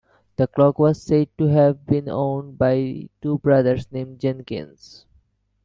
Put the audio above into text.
The clock was said to have been owned by two brothers named Jenkins.